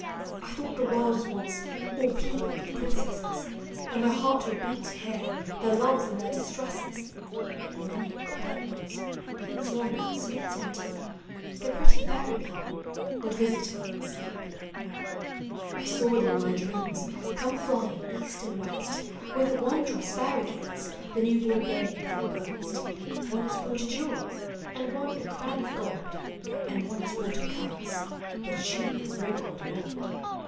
1 thought the world was once — all peopled with princesses, And my heart would beat to hear — their loves and their distresses; And many a quiet night — in slumber sweet and deep, The pretty fairy people — would visit me in sleep. I saw them in my dreams— come Hying east and west, With wondrous fairy gifts— the new born babe they blessed; One has brought a jewel— and one a crown of gold, And one has brought a curse— but she is wrinkled and old.